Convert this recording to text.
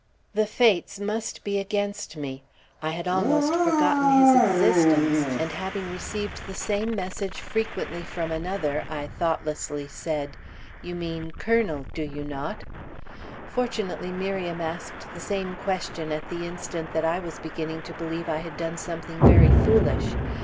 The fates must be against me; I had almost forgotten his existence, and having received the same message frequently from another, I thoughtlessly said, "You mean Colonel, do you not?" Fortunately Miriam asked the same question at the instant that I was beginning to believe I had done something very foolish.